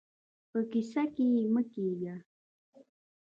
په کيسه کې يې مه کېږئ.